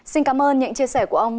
xin cảm ơn những chia sẻ của ông